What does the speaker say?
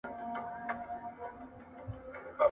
مرغۍ د ډنډ تر څنګ په یوه ونه کې ناسته وه.